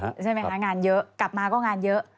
ใช่ไหมคะงานเยอะกลับมาก็งานเยอะ